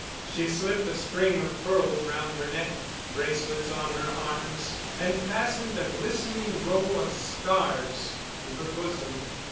She slipped a string of pearls round her neck, bracelets on her arms, and fastened a glistening row of stars to her bosom.